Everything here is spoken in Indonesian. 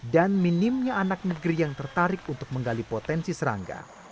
dan minimnya anak negeri yang tertarik untuk menggali potensi serangga